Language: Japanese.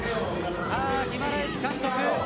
ギマラエス監督